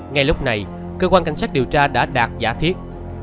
ngay lúc này cơ quan cảnh sát điều tra đã đạt giả thiết